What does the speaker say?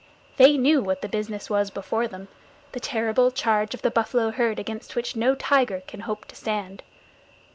They knew what the business was before them the terrible charge of the buffalo herd against which no tiger can hope to stand.